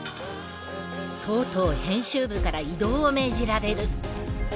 とうとう編集部から異動を命じられる。